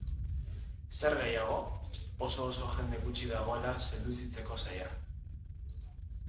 Zer gehiago? Oso-oso jende gutxi dagoela seduzitzeko zaila.